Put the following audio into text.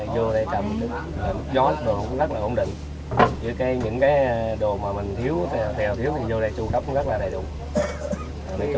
vô đây trầm gió rất là ổn định những cái đồ mà mình thiếu thì vô đây trung tâm cũng rất là đầy đủ